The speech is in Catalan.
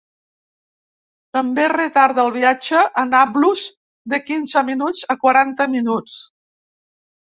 També retarda el viatge a Nablus de quinze minuts a quaranta minuts.